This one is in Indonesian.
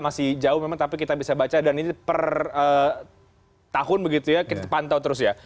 masih jauh memang tapi kita bisa baca dan ini per tahun begitu ya kita pantau terus ya